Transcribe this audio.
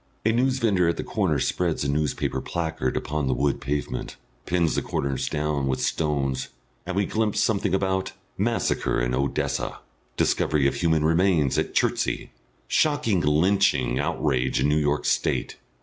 A newsvendor at the corner spreads a newspaper placard upon the wood pavement, pins the corners down with stones, and we glimpse something about: MASSACRE IN ODESSA. DISCOVERY OF HUMAN REMAINS AT CHERTSEY. SHOCKING LYNCHING OUTRAGE IN NEW YORK STATE.